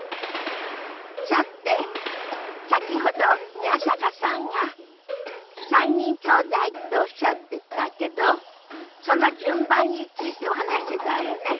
さて先ほど宮坂さんが３人きょうだいっておっしゃってたけどその順番についてお話ししてたわよね。